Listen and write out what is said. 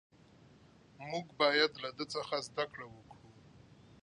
موږ باید له ده څخه زده کړه وکړو.